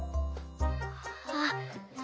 「あっ。